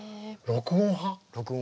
録音派。